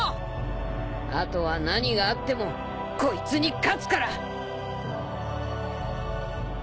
あとは何があってもこいつに勝つから！